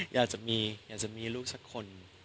อยากจะมีลูกสักคน